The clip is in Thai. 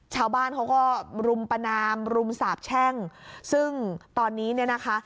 ชาวบ้านเขาก็รุมประนามรุมสาบแช่งซึ่งตอนนี้เนี่ยนะคะ